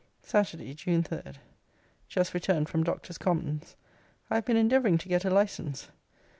SATURDAY, JUNE 3. Just returned from Doctors Commons. I have been endeavouring to get a license.